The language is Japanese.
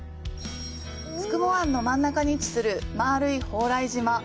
九十九湾の真ん中に位置する丸い蓬莱島。